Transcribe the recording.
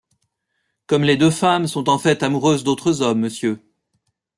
Comme les deux femmes sont en fait amoureuses d'autres hommes, Mr.